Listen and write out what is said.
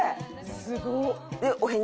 すごっ！